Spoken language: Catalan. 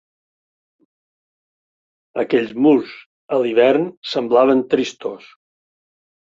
Aquells murs a l'hivern semblaven tristos